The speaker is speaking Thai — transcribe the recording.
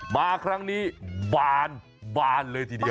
มาครั้งนี้บานเลยทีเดียว